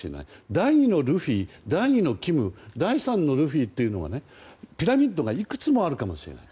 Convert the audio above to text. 第２のルフィ、第２のキム第３のルフィというピラミッドがいくつもあるかもしれない。